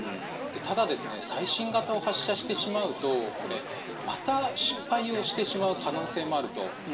ただ、最新型を発射してしまうとまた失敗をしてしまう可能性もあると。